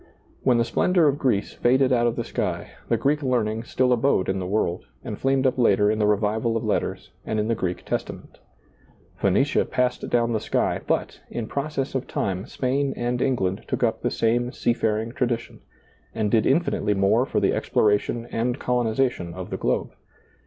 When the splendor of Greece faded out of the sky, the Greek learning still abode in the world, and flamed up later in the revival of letters and in the Greek Testa ment Phoenicia passed down the sky, but, in process of time, Spain and England took up the same sea faring tradition, and did infinitely more for the exploration and colonization of the globe.